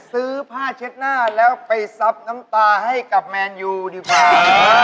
ซื้อผ้าเช็ดหน้าแล้วไปซับน้ำตาให้กับแมนยูดีกว่า